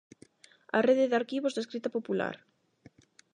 A Rede de Arquivos da Escrita Popular.